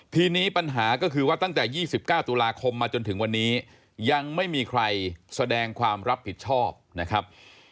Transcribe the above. ทีนี้ปัญหาก็คือว่าตั้งแต่๒๙ตุลาคมมาจนถึงวันนี้ยังไม่มีใครแสดงความรับผิดชอบนะครับ